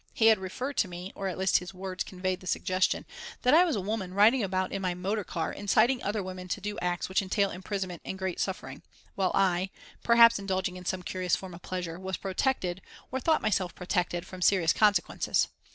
He had referred to me or at least his words conveyed the suggestion that I was a woman riding about in my motor car inciting other women to do acts which entail imprisonment and great suffering, while I, perhaps indulging in some curious form of pleasure, was protected, or thought myself protected, from serious consequences.